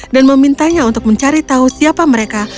dan memintanya untuk mencari tahu siapa mereka